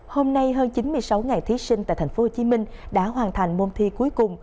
hôm nay hơn chín mươi sáu thí sinh tại tp hcm đã hoàn thành môn thi cuối cùng